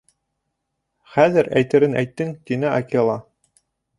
— Хәҙер әйтерен әйттең, — тине Акела.